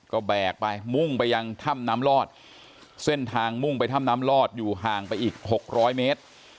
ก็แบกไปมุ่งไปยังถ้ำน้ำลอดเส้นทางมุ่งไปถ้ำน้ำลอดอยู่ห่างไปอีก๖๐๐เมตร